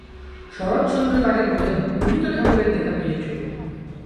শরৎচন্দ্র তাকে বলেন, ‘তুমি তো ঠাকুরের দেখা পেয়েছো।